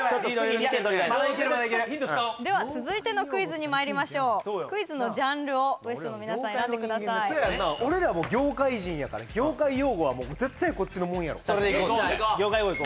まだいけるまだいけるヒント使おうでは続いてのクイズにまいりましょうクイズのジャンルをＷＥＳＴの皆さん選んでください俺らもう業界人やから・それでいこう・業界用語い